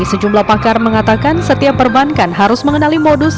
sejumlah pakar mengatakan setiap perbankan harus mengenali modus